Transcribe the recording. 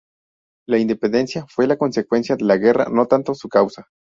La independencia fue la consecuencia de la Guerra, no tanto su causa.